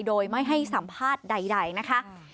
โดยไม่ให้สัมภาษณ์ใดนะคะ